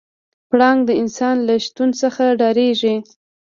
پړانګ د انسان له شتون څخه ډارېږي.